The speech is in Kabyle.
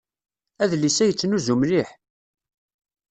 Adlis-a yettnuzu mliḥ.